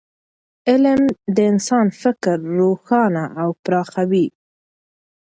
علم د انسان فکر روښانه او پراخوي.